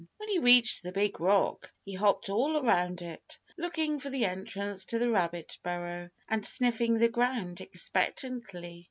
When he reached the big rock, he hopped all around it, looking for the entrance to the rabbit burrow, and sniffing the ground expectantly.